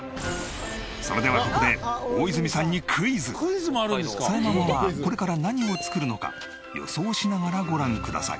それではここでさえママはこれから何を作るのか予想しながらご覧ください。